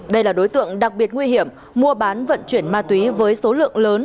đây là đối tượng đặc biệt nguy hiểm mua bán vận chuyển ma túy với số lượng lớn